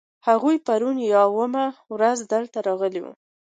هغوی پرون یا وړمه ورځ دلته راغلي دي.